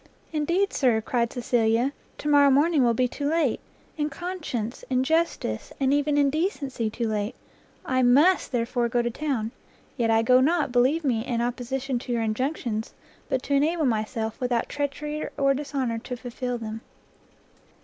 "Indeed, Sir," cried Cecilia, "to morrow morning will be too late, in conscience, in justice, and even in decency too late! I must, therefore, go to town; yet I go not, believe me, in opposition to your injunctions, but to enable myself, without treachery or dishonour, to fulfil them."